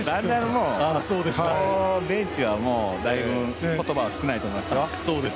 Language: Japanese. もうベンチはだいぶ、言葉、少ないと思いますよ。